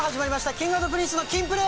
Ｋｉｎｇ＆Ｐｒｉｎｃｅの『キンプる。』！